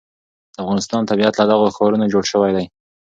د افغانستان طبیعت له دغو ښارونو جوړ شوی دی.